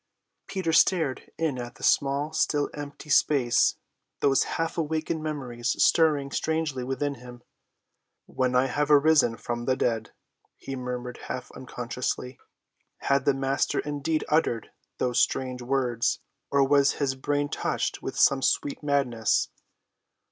Peter stared in at the small, still, empty place, those half‐awakened memories stirring strangely within him. "When I have arisen from the dead," he murmured half unconsciously. Had the Master indeed uttered those strange words, or was his brain touched with some sweet madness?